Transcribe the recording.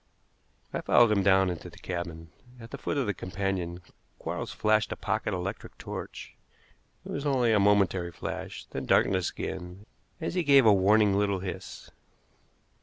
I followed him down into the cabin. At the foot of the companion Quarles flashed a pocket electric torch. It was only a momentary flash, then darkness again as he gave a warning little hiss.